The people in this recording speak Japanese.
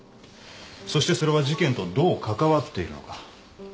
そしてそれは事件とどうかかわっているのか。